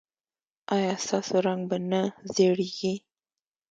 ایا ستاسو رنګ به نه زیړیږي؟